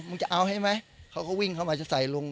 จะเอาใช่ไหมเขาก็วิ่งเข้ามาจะใส่ลุง